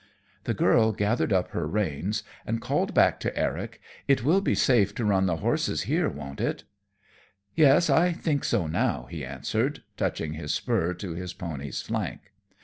The girl gathered up her reins and called back to Eric, "It will be safe to run the horses here, won't it?" "Yes, I think so, now," he answered, touching his spur to his pony's flank.